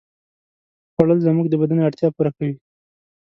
خوړل زموږ د بدن اړتیا پوره کوي